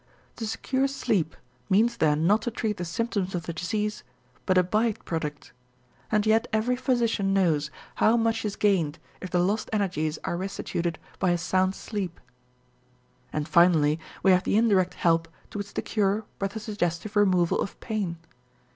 To secure sleep means then not to treat the symptoms of the disease but a by product; and yet every physician knows how much is gained if the lost energies are restituted by a sound sleep. And finally we have the indirect help towards the cure by the suggestive removal of pain.